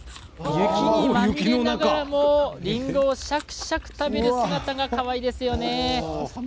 雪にまみれながらもりんごをシャクシャク食べる姿がかわいいですよね。